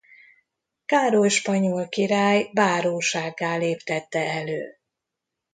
Károly spanyol király bárósággá léptette elő.